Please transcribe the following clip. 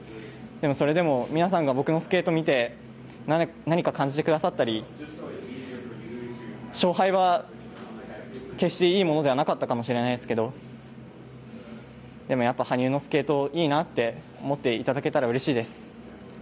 でも、それでも皆さんが僕のスケート見て何か感じてくださったり勝敗は、決していいものではなかったかもしれないですけどでも、やっぱ羽生のスケートいいなって思っていただけたらうれしいです。